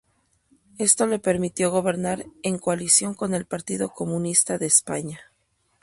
Esto le permitió gobernar en coalición con el Partido Comunista de España.